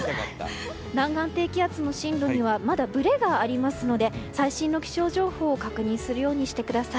南岸低気圧の進路にはまだぶれがありますので最新の気象情報を確認するようにしてください。